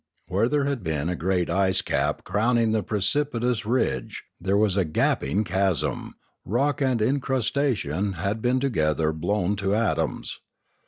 Where there had been a great ice cap crowning a precipitous ridge, there was a gaping chasm; rock and incrustation had been together blown to atoms.